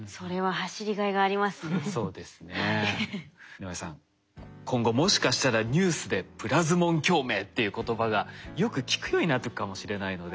井上さん今後もしかしたらニュースで「プラズモン共鳴」っていう言葉がよく聞くようになるかもしれないので。